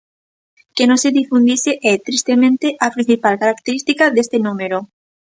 Que non se difundise é, tristemente, a principal característica deste número.